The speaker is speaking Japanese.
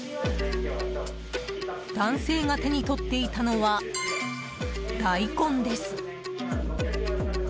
男性が手に取っていたのは大根です。